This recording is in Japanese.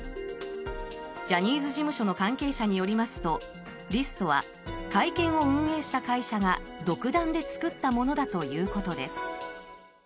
ジャニーズ事務所の関係者によりますと、リストは会見を運営した会社が、独断で作ったものだということです。